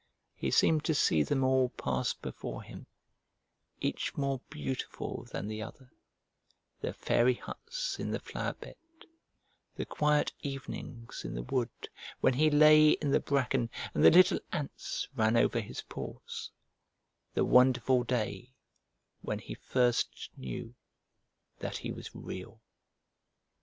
He seemed to see them all pass before him, each more beautiful than the other, the fairy huts in the flower bed, the quiet evenings in the wood when he lay in the bracken and the little ants ran over his paws; the wonderful day when he first knew that he was Real.